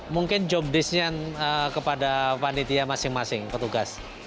mungkin job disk nya kepada panitia masing masing petugas